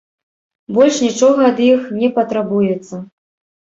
Больш нічога ад іх не патрабуецца.